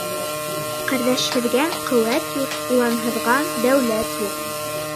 Ҡәрҙәшһеҙгә ҡеүәт юҡ, уланһыҙға дәүләт юҡ.